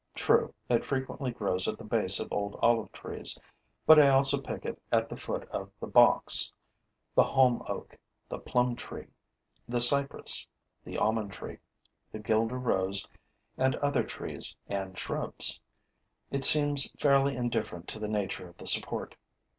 True, it frequently grows at the base of old olive trees, but I also pick it at the foot of the box, the holm oak, the plum tree, the cypress, the almond tree, the Guelder rose and other trees and shrubs. It seems fairly indifferent to the nature of the support.